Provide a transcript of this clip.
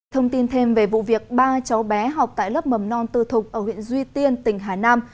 thông tin thêm về vụ việc ba cháu bé học tại lớp mầm non tư thục ở huyện duy tiên tỉnh hà nam